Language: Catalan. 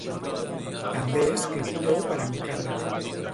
També escriptor per encàrrec.